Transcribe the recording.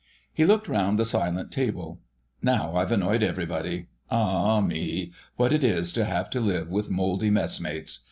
He looked round the silent table. "Now I've annoyed everybody. Ah, me! What it is to have to live with mouldy messmates